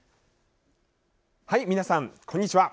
皆さんこんにちは。